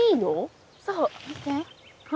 そう見て！